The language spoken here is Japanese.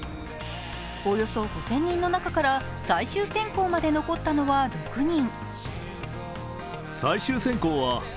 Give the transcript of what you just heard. およそ５０００人の中から最終選考まで残ったのは６人。